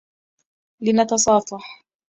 لنتصافح.